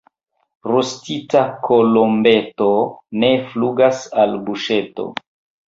Rostita kolombeto ne flugas al buŝeto.